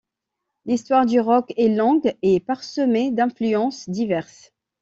L'histoire du Rock est longue et parsemée d'influences diverses.